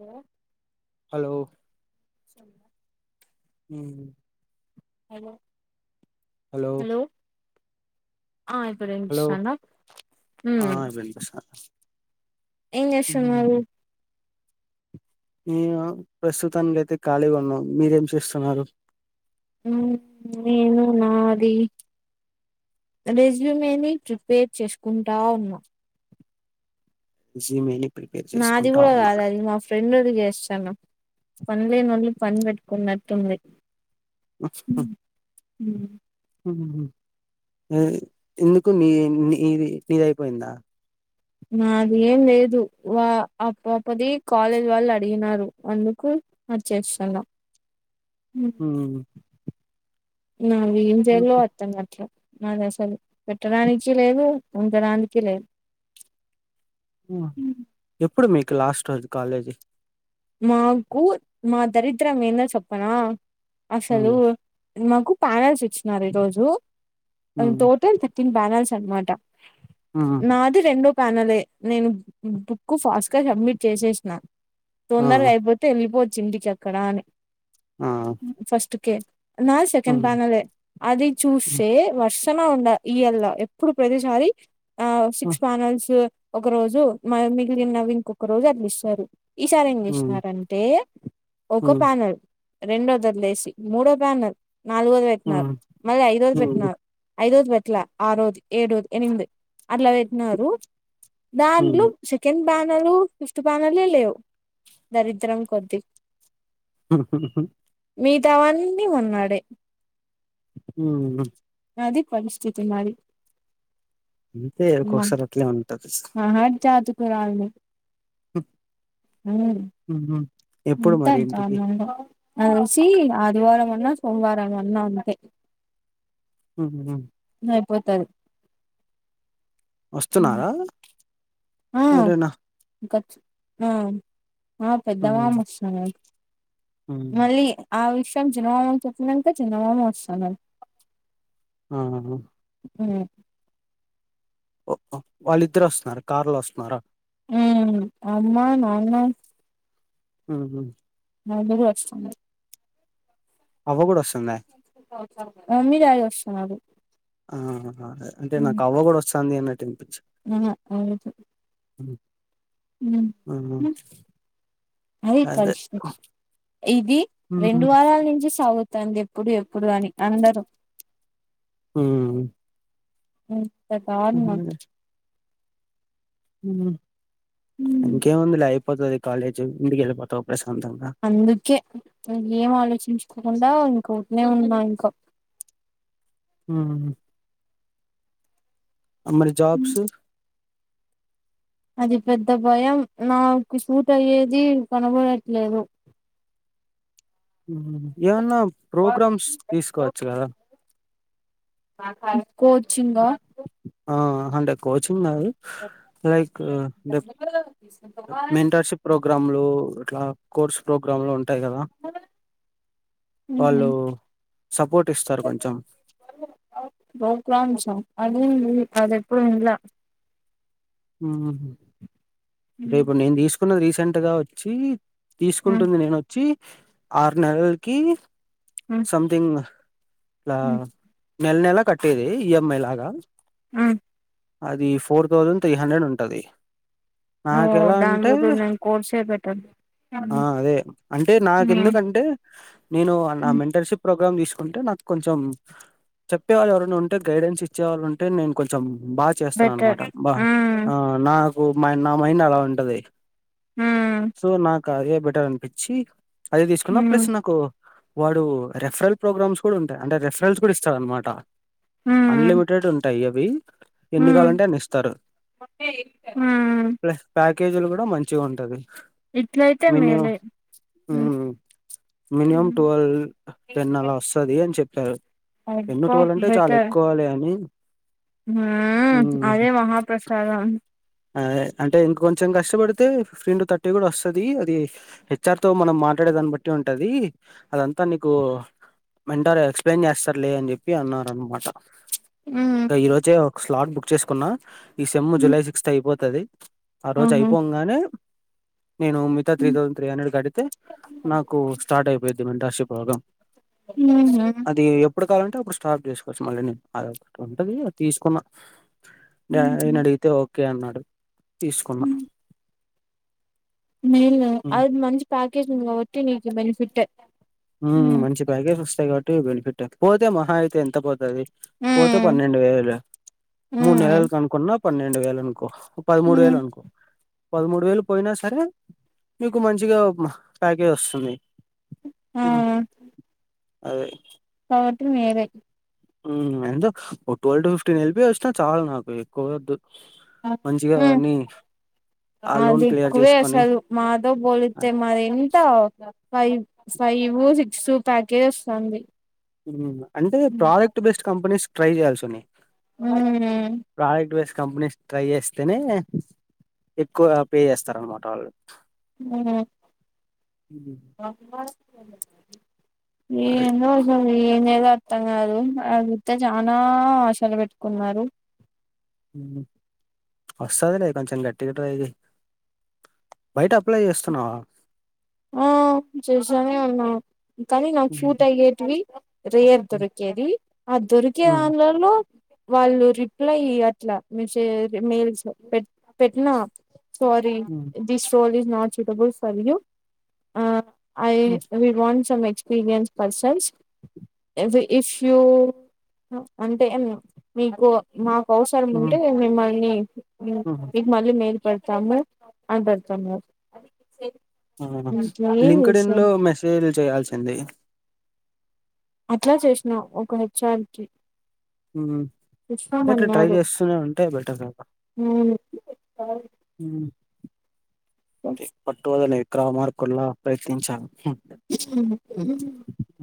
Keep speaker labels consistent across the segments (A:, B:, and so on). A: Hello
B: hello ఉమ్ హ్
A: hello
B: hello
A: ఆ ఇప్పుడేం
B: హలో
A: జేస్తానవ్
B: ఆ
A: ఉమ్
B: వినిపిస్తాంది
A: ఏం జేస్తున్నారు
B: నేనా ప్రస్తుతానికి అయితే ఖాళీ ఉన్నా మీరేం చేసున్నారు
A: నేను నాది రెజ్యూమేని ప్రిపేర్ చేసుకుంటా ఉన్నా
B: జీ మెయిల్ క్
A: నాది గాడా కాదు అది మా ఫ్రెండుది జేసు టాన పని లేనోళ్ళు పని పెట్టుకున్నటుంది
B: [inaudible] ఏ ఎందుకు మీ మీది నీదయిపోయిందా
A: నాది ఏం లేదు వా ఆ పాపది కాలేజ్ వాళ్ళు అడిగినారు అందుకు అరిచేస్తున్న
B: హ
A: నాకు ఏం చేయాలో అర్థం కాట్లే మాది అసలు పెట్టడానికి లేదు ఉండడానికి లేదు
B: ఎప్పుడు మీకు లాస్ట్ రోజు కాలేజీ
A: మాకు మా దరిద్రం ఏందో చెప్పనా అసలు మాకు ప్యానెల్స్ వచ్చినారు ఈ రోజు టోటల్ పానల్స్ అన్నమాటా నాది రెండో ప్యానెల్ ఏ నేను బుక్ ఫాస్ట్ గా సబ్మిట్ చేసేసిన
B: ఆ
A: తొందరగ అయిపోతే వెళ్ళిపోవచ్చు ఇంటికి అక్కడ అని
B: ఆ
A: నాలుగు సెకండ్ ప్యానలే అది చూస్తే వర్ష ఉండ ఇయ్యాల ఎప్పుడు ప్రతిసారి ఆ సిక్స్ ప్యానల్స్ ఒక రోజు మా మిగిలినవి ఇంకొక రోజు అట్ల ఇస్తారు ఈసారి ఏం చేసినారంటే ఒక ప్యానెల్ రెండోది వదిలేసి మూడో ప్యానల్ నాలుగోది పెట్టినారు మళ్ళ ఐదోది పెట్టినారు ఐదోది పెట్లా ఆరోది ఏడోది ఎనిమిది అట్ల పెట్టినారు దాంట్లో సెకండ్ ప్యానలు ఫిఫ్త్ ప్యానలే లేవు దరిద్రం కొద్ది
B: హహా
A: అవన్నీ ఉన్నాడే
B: హ
A: అది పరిస్థితి మాది
B: అంతే ఒక్కోసారి అట్లే ఉం
A: మహర్జాతకురాల్ని
B: స
A: హ
B: ఎప్పుడు
A: ఎంత
B: మరి ఇంటికి
A: [unintelligible] నాకు తెలిసి ఆదివారం అన్న సోమవారం అన్న ఉంటయి
B: ఉ
A: అయిపోతరు
B: వస్తున్నారా
A: ఆ
B: ఎవరైనా
A: కర్చి ఆ ఆ
B: ఉహు
A: పెద్దమామ వస్తున్నడు
B: ఉహు.
A: మళ్ళీ ఆ విషయం చిన్నమామకి చెప్పినంక చిన్నమామ వస్తున్నడు
B: ఆ
A: ఆ
B: వాళ్ళిద్దరు వస్తున్నారా కార్లో వస్తున్నారా
A: ఉమ్ అమ్మా నాన్న
B: ఉహు
A: నలుగురు వస్తున్నరు
B: అవ్వ కూడా వస్తుందా
A: మమ్మీ డాడీ వస్తున్నరు
B: ఆ అదే అంటే నాకు అవ్వ కూడా వస్తాంది అని చెప్పి
A: ఆహా
B: ఆహా
A: అది పరిస్థితి ఇది రెండు
B: ఉహు
A: వారాల నుంచి సాగు తంది ఎప్పుడు ఎప్పుడు అని అందరూ
B: ఉం
A: ఇంతట అన్నా
B: ఉం ఇంకేంముందిలే అయిపోతది కాలేజ్ ఇంటికెళ్ళి పోతావ్ ప్రసా
A: అందుకే నేను ఏం ఆలోచించుకోకుండా కూనే ఉన్నా ఇంక [unintelligible]
B: ఉం మరి జాబ్స్
A: అది పెద్ద భయం నాకు సూట్ అయ్యేది కనబడట్లేదు
B: ఏవన్నా ప్రోగ్రామ్స్ తీసుకోవచ్చు కదా
A: కోచింగ్ ఆ [unintelligible]
B: ఆ అంటే కోచింగ్ కాదు లైక్ అంటే మెంటర్షిప్ ప్రోగ్రామ్లు అట్లా కోర్స్ ప్రోగ్రామ్లు ఉంటాయి కదా వాళ్ళు సపోర్ట్ ఇస్తారు కొంచెం
A: బ కామ్ చ [inaudible] [unintelligible] ఉహు అది ఎప్పుడు అనల
B: ఉమ్ రేపు నేను తీసుకునేది రీసెంట్గా వచ్చి తీసుకుంటుంది నేనోచ్చి ఆరు నెలలకి సంథింగ్ ఇలా నెల నెలా కట్టేది ఈఎంఐ లాగా
A: ఉమ్
B: అది ఫోర్ థౌజండ్ త్రీ హండ్రెడ్ ఉంటది
A: ఓ
B: నాకెలా
A: దాని
B: అంటే
A: బదులు నేను కోర్సే బెటర్
B: ఆ అదే అంటే నాకు ఎందుకంటే నేను నా మెంటర్షిప్ ప్రో తీసుకుంటే నాకు కొంచెం చెప్పేవాళ్ళు ఎవరైనా ఉంటే గైడెన్స్ ఇచ్చేవాళ్ళు ఉంటే నేను కొంచెం బాగా
A: బెటర్
B: చేస్తాననమాట బా ఆ నా ఓ మై నా మైండ్ అలా ఉంటది సో నాకు అ ఎ బెటర్ అనిపించి అది తీసుకున్న ప్లస్ నాకు వాడు రెఫరల్ ప్రోగ్రామ్స్ కూడా ఉంటాయి అంటే రెఫరెల్స్ కూడా ఇస్తారు అనమాట అన్లిమిటెడ్ ఉంటాయి అవి ఎన్ని కావాలంటే అన్ని ఇస్తారు ప్లస్ పాక్ కేజీలు కూడా మంచి గుంటది
A: ఇట్లయితే
B: మిని ఉం
A: మేలే
B: మినిమం ట్వెల్వ్ టెన్ అలా వస్తది అని చెప్పారు టెన్
A: అబ్బా
B: ట్వెల్వ్ అంటే చాలు ఎక్కువాలి అని
A: ఆ
B: హ్మ్.
A: అదే మహాప్రసాదం
B: అంటే ఇంక కొంచెం కష్టపడితే ఫిఫ్టీ న్టు థర్టీ కూడా వస్తది అది హెచ్ఆర్ తో మనం మాట్లాడే దాన్ని బట్టి ఉంటది అదంతా నీకు మెన్టారు ఎక్స్ప్లెయిన్ చేస్తారులే అని చెప్పి అన్నారు అనమాట ఇంగ ఈ రోజే ఒక స్లాట్ బుక్ చేసుకున్నా ఈ సెమ్ జులై సిక్స్త్ అయిపోతుది ఆ రోజు
A: ఆహా
B: అయిపొంగానే నేను మిగతా త్రీ థౌసండ్ త్రీ హండ్రెడ్ కడితే నాకు స్టార్ట్ అయిపోయిద్ది మెంటార్ షిప్ ప్రోగ్రాం
A: ఉహు
B: కా [unintelligible] వలంటే అప్పుడు స్టాప్ చేసుకోవచ్చు మళ్ళీ నేను ఆధార్ ఉంటుంది తీసుకున్న డాడీ నీ
A: ఊహూ.
B: అడిగితే ఓకే అన్నాడు తీసుకున్నా
A: మీల్
B: హ్మ్.
A: అ మంచి ప్యాకేజ్ ఉంది కావట్టి నీకు బెనిఫిటే
B: ఉమ్
A: హ్మ్
B: మంచి ప్యాకేజ్ వస్తాయి. కాబట్టి బేనిఫిటే పోతే మహా అయితే ఎంత పోతది. పోతే
A: హ్మ్
B: పన్నెండు వేలు మూడు
A: హ్మ్
B: నెలలు కనుకున్నా పన్నెండు వేలు అనుకో పదమూడు వేలు
A: హ్మ్
B: అనుకో పదమూడు వేలు పోయినా సరే మీకు మంచిగా ఓ ప్యాకేజ్ వస్తుంది.
A: ఉ
B: ఉ అదే
A: [unintelligible] వేరే
B: ఉమ్ ఎంతో ట్వెల్వ్ టు ఫిఫ్టీన్ అయితే వస్తే చాల్ నాకు ఎక్కువ వద్దు. మంచిగా అన్నీ
A: అది ఎక్కువే అసలు మాతో బోలుత్తే మరి ఎంత ఫై ఫై ఇప్పుడు సిక్స్ ప్యాకేజ్ వస్తంది.
B: అంటే ప్రోడక్ట్ బేస్డ్ కంపెనీస్ ట్రై చేయాల్సి ఉన్నాయి. ప్రొడక్ట్ బేస్ కంపెనీస్ ట్రై చేస్తేనే ఎక్కువ పే చేస్తారు. అనమాట వాళ్ళు
A: హ్మ్
B: హ్మ్. అది
A: ఏందో అయితది [unintelligible] మొత్తం కాదు. అదుత్తే చానా ఆశలు పెట్టుకున్నారు.
B: వస్తదిలే కొంచెం గట్టిగా ట్రై జేయ్. బయట అప్లై చేస్తున్నావా?
A: ఉమ్ చేసానే ఉన్నా. కానీ నాకు షూట్ అయ్యేటివి రేయర్ దొరికేది ఆ దొరికే దానిలలో వాళ్ళు రిప్లై ఇవ్వట్లా మెసేజ్ మెయిల్స్ పెట్ పెట్టినా sorry this role is not suitable for you ఆ we want some experience persons if if you uh అంటే మీకు మాక్ అవసరం ఉంటే మిమ్మల్ని ఇ మీకు మళ్ళీ మేల్ పేడుతము అని పెడుతన్నారు.
B: ఆ లింక్డ్ ఇన్ లో మెసేజ్ చేయాల్సింది.
A: అట్లా చేసినా ఒక హెచ్ ఆర్ కి
B: ఉమ్ అట్లా ట్రై
A: చూస్తామన్నారు
B: చేస్తూనే ఉంటే బెటర్ కదా.
A: అవును
B: హ్మ్ పట్టువదలనీ విక్రమార్కుడిల ప్రయత్నించా.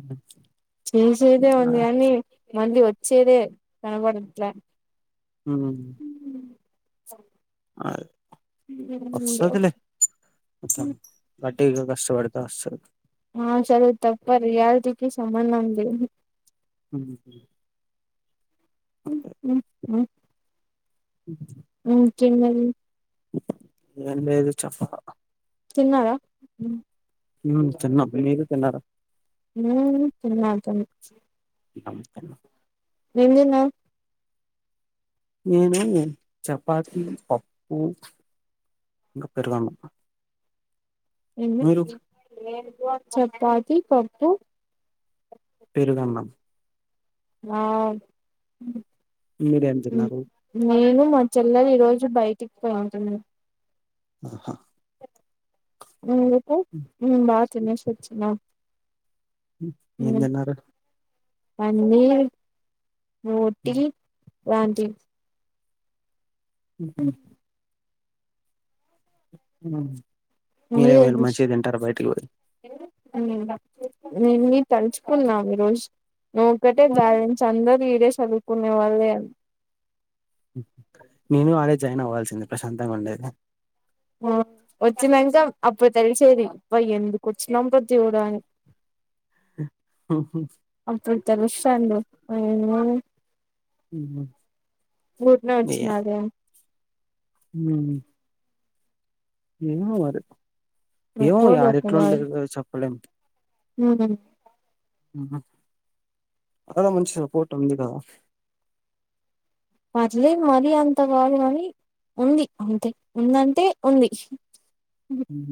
B: ఉమ్,
A: చేసేదే
B: ఆ,
A: ఉంది గాని మళ్ళీ వచ్ చేసేదే కనపడుట్ల
B: హ్మ్
A: స
B: అ వస్తదిలే. ఇగ కష్టపడుతే వస్తది.
A: ఆ సరే తప్ప రియాలిటీకి సంబంధం లేదు.
B: హ్మ్
A: హు హు హ్మ్
B: హ్మ్
A: ఉమ్ తిన్నది
B: ఎం లేదు చెప్ప
A: తిన్నార
B: ఉమ్ తిన్నా మీరు తిన్నార
A: ఉమ్ తిన్నాం తి
B: [unintelligible]
A: ఏంతిన్నావు
B: నేను చపాతి పప్పు ఇంకా పెరుగన్నం మీరు
A: చపాతి పప్పు
B: పెరుగన్నం
A: వావ్
B: మీరేం తిన్నారు
A: నేను మా చెల్లెలు ఈరోజు బయటికి పోతున్న
B: ఆహా
A: బాగా తినేసి వచ్చినా
B: ఏం తిన్నారు
A: పన్నీర్ రోటి లాంటివి
B: [inaudible] ఉమ్
A: మీరు
B: పోయి
A: [unintelligible] తలుచుకున్నాం ఈ రోజు నువ్వు ఒకటే బాలెన్స్ అందరి సదువుకునే వాళ్ళే
B: నేను ఆడే జాయిన్ అవ్వాల్సింది ప్రశాంతంగ ఉండేది
A: ఆ వచ్చినంకా అప్పుడు తెలిసేది అబ్బా ఎందుకు వచ్చినాం రా దేవుడా అని [inaudible]
B: [inaudible]
A: తెలుస్తంది ఎమో పూర్ణ వచ్చినదా [unintelligible]
B: ఉమ్ ఏమో మరి ఏమో యాడ ఎట్లుండేదో చెప్పలేం
A: మ్
B: అక్కడ మంచి సపోర్ట్ ఉంది కదా
A: పర్లే మరీ అంత గాదు గానీ ఉంది అంతే ఉందంటే ఉంది
B: ఉమ్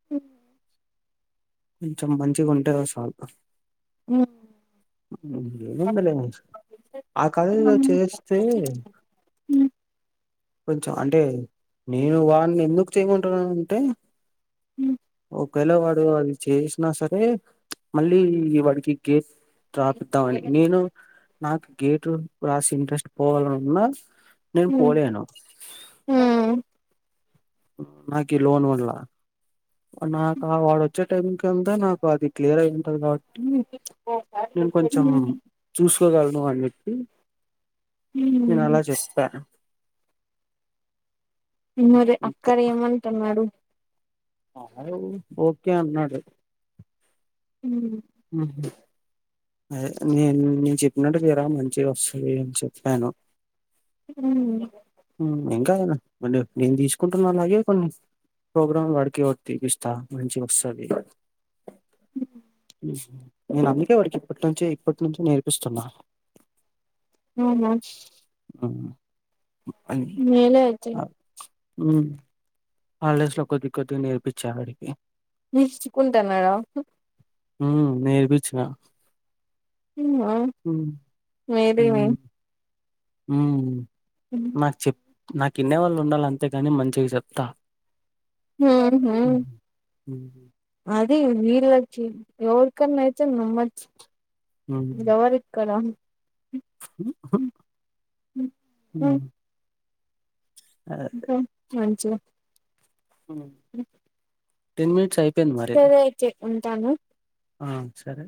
A: [inaudible]
B: కొంచెం మంచిగా ఉంటేసాల్
A: ఆ
B: ఉమ్ ఏముందిలే ఆ కథలో చేస్తే
A: మ్
B: కొంచెం అంటే నేను వాడిని ఎందుకు చేయమంటున్నానంటే
A: మ్
B: ఒకవేళ వాడు అది చేసినా సరే మళ్ళీ వాడికి గే రాపిదామని నేను నాకు గేటు రాసే ఇంట్రెస్ట్ పోవాలనున్నా నేను
A: ఉమ్
B: పోలేను
A: ఉమ్
B: నాకి లోన్ వల్లా నాక ఆ వాడు వచ్చే టైం కంటే నాకు అది క్లియర్ అయి ఉంటది కబట్ మ్ నేను కొంచెం చూసు కోగలను అని చెప్పి నేను అలా చెప్పా
A: మరే అక్కర్ ఏమంటున్నాడు
B: ఆడు ఓకే అన్నాడు
A: మ్
B: మ్ అదే నేను నేను చెప్పినట్టు చేయిరా మంచిగ వస్తది అని చెప్పాను
A: మ్
B: ఇంకా ఎదన్నా నేను తీసుకుంటున్నా అలాగే కొన్ని ప్రోగ్రామ్ వాడికి ఓటి తిపిస్త మంచిగోస్తది నేను అందుకే వాడికి ఇప్పటి నుంచే ఇప్పటి నుంచే నేర్పిస్తున్నా
A: ఆహా
B: ఆ
A: మేలే వచ్చి
B: మ్ హాల్ డేస్ లో కొద్ది కొద్దిగా నేర్పించావాడికి
A: మీరుచుకుంటున్నాడా
B: మ్ నేర్పించిన
A: అవునా
B: హ్మ్.
A: మీది
B: మ్ నాకు చెప్ నాకు ఇన్నే వాళ్ళు ఉండాలంతేగాని మంచిగా చెప్తా
A: మ్ హు
B: హ్మ్. హ్మ్.
A: అద్ ఇది వీళ్ళచ్చి ఎవరికన్నా అయితే నమ్మచ్
B: హ్మ్.
A: ఎవరిక్కడ
B: [inaudible] అదే.
A: మంచిగ
B: టేన్ మనిట్
A: సరే అయితే ఉంటాను
B: ఆ సరే